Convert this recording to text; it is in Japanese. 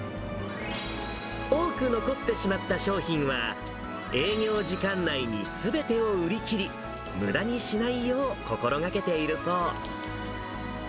多く残ってしまった商品は、営業時間内にすべてを売り切り、むだにしないよう心がけているそう。